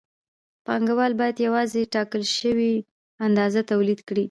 پانګوال باید یوازې ټاکل شوې اندازه تولید کړي